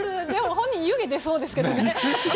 でも本人、湯気出そうですけどね。